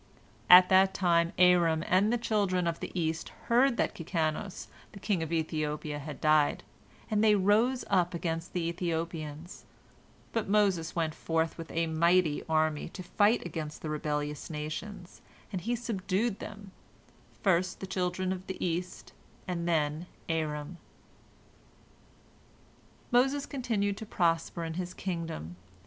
At that time Aram and the children of the East heard that Kikanos the king of Ethiopia had died, and they rose up against the Ethiopians, but Moses went forth with a mighty army to fight against the rebellious nations, and he subdued them, first the children of the East and then Aram. Moses continued to prosper in his kingdom.